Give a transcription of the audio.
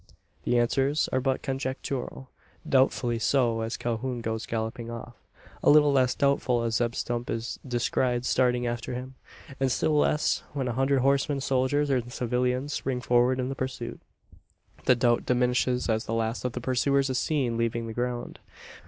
The answers are but conjectural; doubtfully so, as Calhoun goes galloping off; a little less doubtful as Zeb Stump is descried starting after him; and still less, when a hundred horsemen soldiers and civilians spring forward in the pursuit. The doubt diminishes as the last of the pursuers is seen leaving the ground.